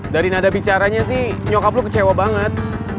dari nada bicaranya sih nyokap lu kecewa banget